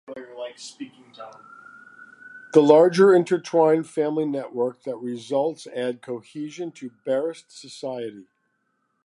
The larger, intertwined family networks that result add cohesion to barast society.